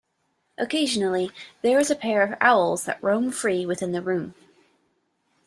Occasionally, there is a pair of owls that roam free within the room.